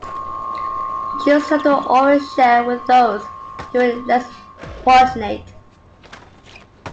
She was taught to always share with those who were less fortunate.